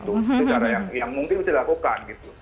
itu cara yang mungkin bisa dilakukan gitu